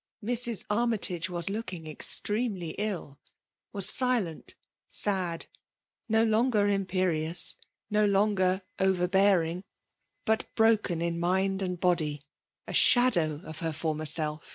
Mrs. Army tage was looking extremely ill, was silent, sad : no longer imperious, no longer overbearing ; but broken in mind and body, a shadow of her former self.